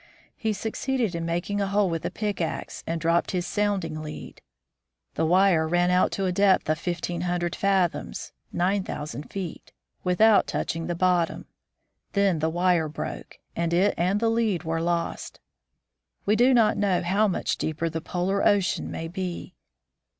He succeeded in making a hole with a pickax and dropped his sounding lead. The wire ran out to a depth of fif teen hundred fathoms (nine thousand feet) without touch ing bottom. Then the wire broke, and it and the lead were lost. We do not know how much deeper the Polar ocean may be.